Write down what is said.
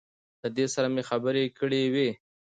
له ده سره مې خبرې کړې وې.